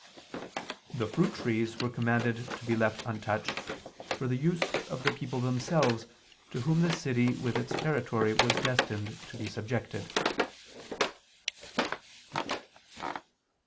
The fruit trees were commanded to be left untouched, for the use of the people themselves, to whom the city with its territory was destined to be subjected.